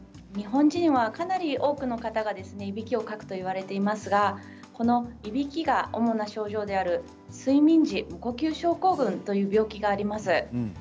日本人はかなり多くの方がいびきをかくといわれていますが、このいびきが主な症状である睡眠時無呼吸症候群という病気であります。